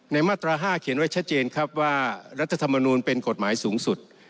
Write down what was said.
มาตรา๕เขียนไว้ชัดเจนครับว่ารัฐธรรมนูลเป็นกฎหมายสูงสุด